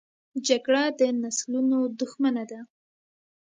جګړه د نسلونو دښمنه ده